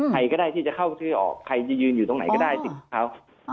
ใครก็ได้ที่จะเข้าชื่อออกใครจะยืนอยู่ตรงไหนก็ได้สิทธิ์เขา